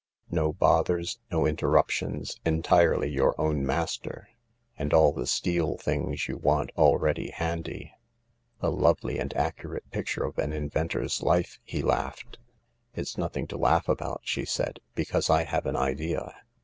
No bothers, no inter ruptions — entirely your own master. And all the steel things you want always handy." " A lovely and accurate picture of an inventor's life !" he laughed. "It's nothing to laugh about," she said; "because I have an idea.